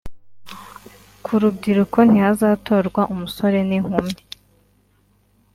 Ku rubyiruko ntihazatorwa umusore n’inkumi